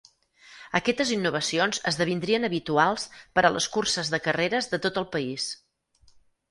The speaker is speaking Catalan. Aquestes innovacions esdevindrien habituals per a les curses de carreres de tot el país.